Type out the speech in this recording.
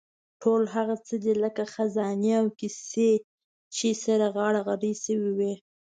ټول هغه څه دي لکه خزانې او کیسې چې سره غاړه غړۍ شوې وي.